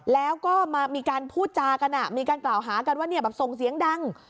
แล้วก็มีการพูดจากันมีการกล่าวหากันว่าส่งเสียงดัง